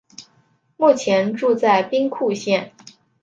目前住在兵库县。